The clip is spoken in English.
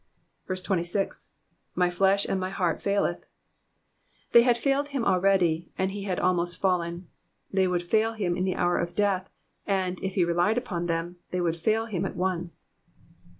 26. ^'My flesh and my heart faileth,'''' They had failed him already, and he had almost fallen; they would fail him in the hour of death, and, if he relied upon them, they would fail him at once.